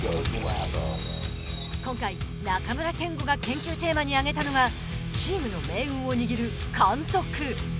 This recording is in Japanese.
今回、中村憲剛が研究テーマに挙げたのがチームの命運を握る監督。